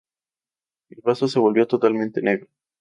El vaso se volvía totalmente negro.